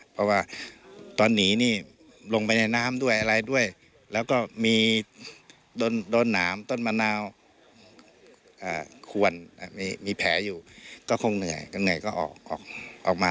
เพราะว่าตอนหนีนี่ลงไปในน้ำด้วยอะไรด้วยแล้วก็มีโดนหนามต้นมะนาวขวนมีแผลอยู่ก็คงเหนื่อยก็เหนื่อยก็ออกมา